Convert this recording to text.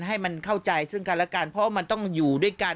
ให้มันเข้าใจซึ่งกันแล้วกันเพราะมันต้องอยู่ด้วยกัน